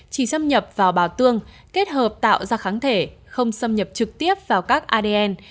chỉ xâm nhập vào bào tương kết hợp tạo ra kháng thể không xâm nhập trực tiếp vào các adn